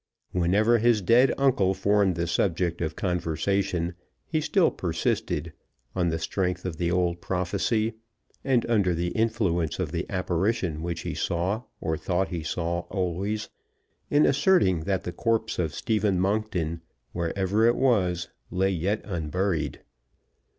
Whenever his dead uncle formed the subject of conversation, he still persisted on the strength of the old prophecy, and under the influence of the apparition which he saw, or thought he saw always in asserting that the corpse of Stephen Monkton, wherever it was, lay yet unburied.